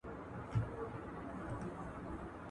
صبر ته د سترګو مي مُغان راسره وژړل!